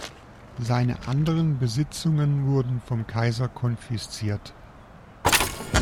Seine anderen Besitzungen wurden vom Kaiser konfisziert.